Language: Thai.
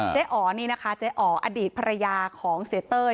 เจ๋อ๋อนี่นะคะเจ๋อ๋ออดีตภรรยาของเศรษฐ์เตย